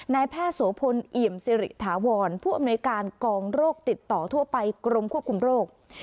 นายแพทย์โสพลเอี่ยมสิริถาวรผู้อำนวยการกองโรคติดต่อทั่วไปกรมควบคุมโรค